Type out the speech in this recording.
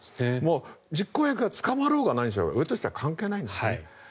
実行役が捕まろうが何しようが上としては関係ないんですね。